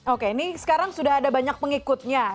oke ini sekarang sudah ada banyak pengikutnya